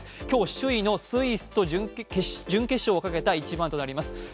今日、首位のスイスと準決勝をかけた一番となります。